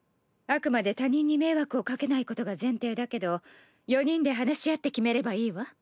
あくまで他人に迷惑をかけないことが前提だけど４人で話し合って決めればいいわ。